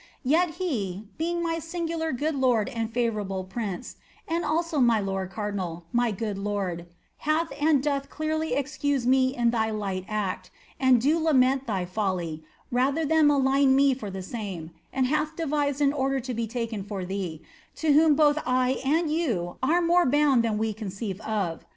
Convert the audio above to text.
Yet he (being my singular good lord and favourable prince), and also my lord cardinal, my good lord, hath and doth clearly excuse me in thy light act, and do lament thy folly, rather than malign me for the same, and hath devised an order to be taken for thee ; to whom both I and yon are more bound than we conceive of.